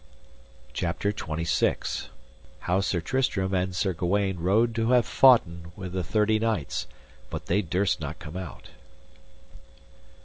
CHAPTER XXV. How Sir Tristram and Sir Gawaine rode to have foughten with the thirty knights, but they durst not come out.